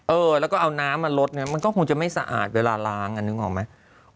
เออแล้วก็เอาน้ำมาลดเนี่ยมันก็คงจะไม่สะอาดเวลาล้างอ่ะนึกออกไหม